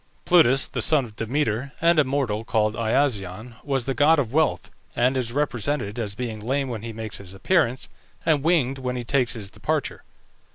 Plutus, the son of Demeter and a mortal called Iasion, was the god of wealth, and is represented as being lame when he makes his appearance, and winged when he takes his departure.